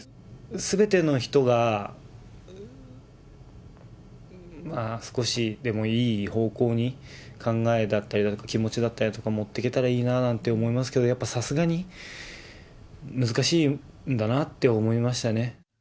すべての人が少しでもいい方向に考えだったりとか、気持ちだったりとかを持っていけたらいいななんて思いますけど、やっぱりさすがに難しいんだなって思いましたね。